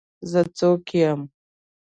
زه څوک يم.